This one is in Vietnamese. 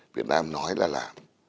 việt nam nói là làm